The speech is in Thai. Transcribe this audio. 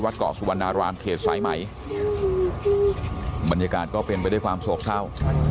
ด้วยความโสขเศร้า